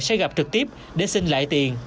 sẽ gặp trực tiếp để xin lại tiền